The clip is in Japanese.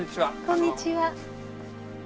こんにちは。